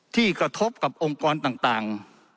ที่กระทบกับองค์กรต่าง